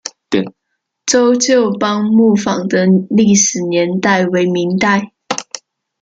周旧邦木坊的历史年代为明代。